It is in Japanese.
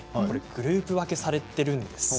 グループ分けされているんです。